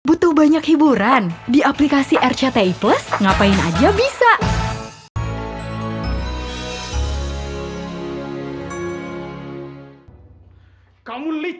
butuh banyak hiburan di aplikasi rcti plus ngapain aja bisa kamu lihat